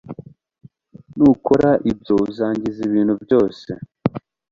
Nukora ibyo uzangiza ibintu byose